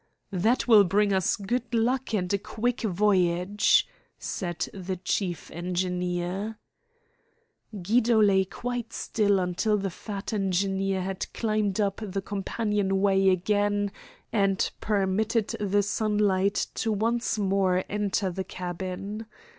"That will bring us good luck and a quick voyage," said the chief engineer. Guido lay quite still until the fat engineer had climbed up the companion way again and permitted the sunlight to once more enter the cabin.